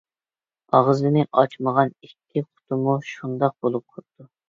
ئاغزىنى ئاچمىغان ئىككى قۇتىمۇ شۇنداق بولۇپ قاپتۇ.